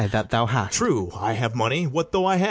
Ay, that thou hast BARABAS. True, I have money; what though I have?